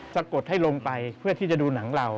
สะกดให้ลงไปเพื่อที่จะดูหนังเรา